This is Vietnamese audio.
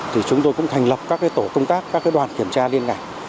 thì chúng tôi cũng thành lập các tổ công tác các đoàn kiểm tra liên ngành